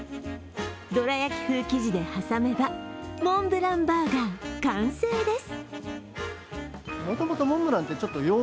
どら焼き風生地で挟めばモンブランバーガー完成です。